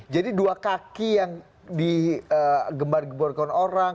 jadi dua kaki yang digembar gemburkan orang